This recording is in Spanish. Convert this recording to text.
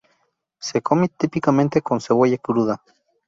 Se come típicamente con cebolla cruda.